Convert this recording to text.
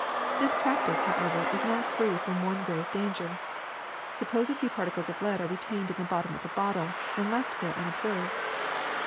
This practice, however, is not free from one grave danger. Suppose a few particles of lead are re tained in the bottom of the bottle and left there un observed.